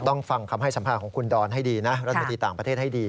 ฟังคำให้สัมภาษณ์ของคุณดอนให้ดีนะรัฐมนตรีต่างประเทศให้ดี